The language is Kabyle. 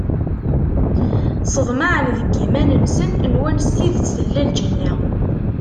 Seḍmaɛen deg iman-nsen, nwan s tidet tella lǧenna.